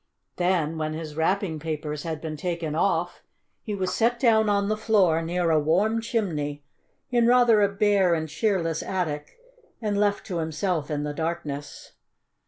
Then, when his wrapping papers had been taken off, he was set down on the floor near a warm chimney in rather a bare and cheerless attic, and left to himself in the darkness.